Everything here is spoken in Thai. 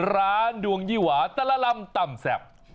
ดวงยี่หวาตลลำต่ำแซ่บ